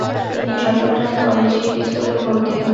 তিনি চট্টগ্রাম কলেজিয়েট স্কুলে ভর্তি হন।